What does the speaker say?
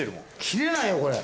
切れないよこれ。